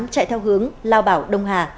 chạy theo hướng lao bảo đông hà